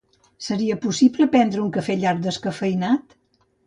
Seria possible prendre un cafè llarg descafeïnat?